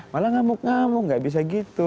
malah ngamuk ngamuk gak bisa gitu